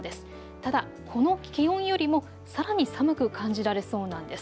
ただ、この気温よりもさらに寒く感じられそうなんです。